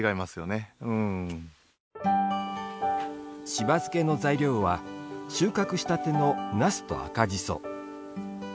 しば漬けの材料は収穫したてのなすと赤じそ。